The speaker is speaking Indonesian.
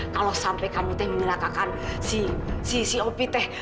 kalau sampe kamu teh meminakakan si si si opik teh